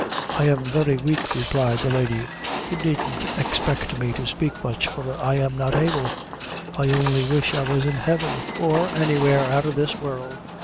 "I am very weak," replied the lady; "you needn't expect me to spake much, for I'm not able. I only wish I was in Heaven, or anywhere out of this world."